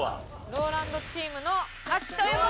ＲＯＬＡＮＤチームの勝ちという事で。